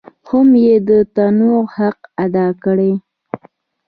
هم یې د تنوع حق ادا کړی.